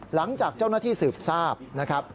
หลังจากเจ้าหน้าที่สืบทราบนะครับ